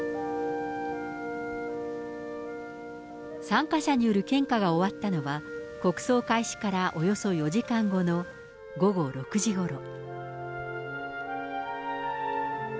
参加者による献花が終わったのは、国葬開始からおよそ４時間後の午後６時ごろ。